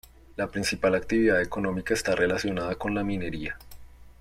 La principal actividad económica esta relacionada con la minería.